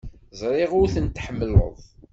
Ẓriɣ ur tent-tḥemmleḍ.